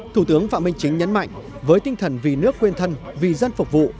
thủ tướng phạm minh chính nhấn mạnh với tinh thần vì nước quên thân vì dân phục vụ